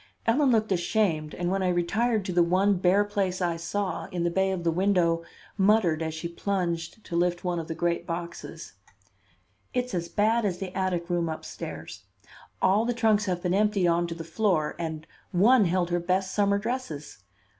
Ellen looked ashamed and, when I retired to the one bare place I saw in the bay of the window, muttered as she plunged to lift one of the great boxes: "It's as bad as the attic room up stairs. All the trunks have been emptied on to the floor and one held her best summer dresses.